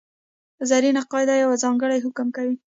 زرینه قاعده یو ځانګړی حکم کوي.